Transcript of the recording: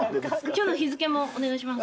今日の日付もお願いします。